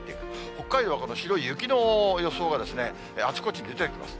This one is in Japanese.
北海道はこの白い雪の予想が、あちこちに出てきます。